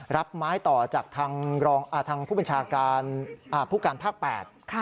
รับไม้ต่อจากทางผู้บัญชาการผู้การภาค๘